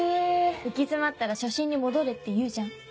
行き詰まったら初心に戻れっていうじゃん？